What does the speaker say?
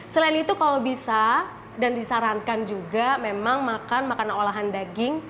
selain itu kalau bisa dan disarankan juga memang makan makanan olahan daging